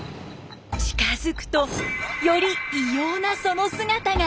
近づくとより異様なその姿が。